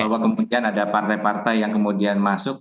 bahwa kemudian ada partai partai yang kemudian masuk